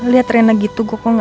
lihat reina gitu gua kok gak tega ya